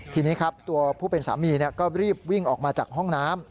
ทีนี้ครับตัวผู้เป็นสามีก็รีบวิ่งออกมาจากห้องน้ำ